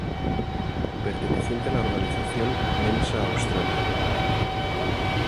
Perteneciente a la organización Mensa Australia.